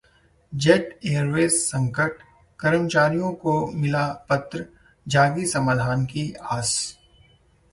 jet Airways संकटः कर्मचारियों को मिला पत्र, जगी समाधान की आस